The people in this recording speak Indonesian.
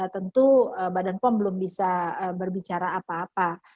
tentu badan pom belum bisa berbicara apa apa